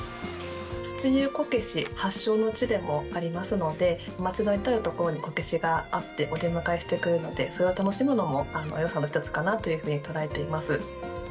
土湯こけし発祥の地でもありますので、街の至る所にこけしがあってお出迎えしてくれるので、それを楽しむのもよさの一つかなというふうにとらえています。